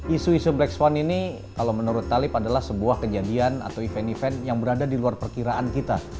isu isu black fund ini kalau menurut talib adalah sebuah kejadian atau event event yang berada di luar perkiraan kita